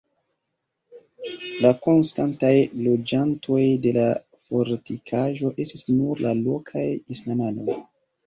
La konstantaj loĝantoj de la fortikaĵo estis nur lokaj islamanoj.